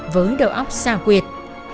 với đầu óc xa quyệt